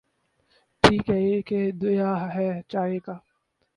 ٹھیک ہے کہ دیا ہے چائے کا۔۔۔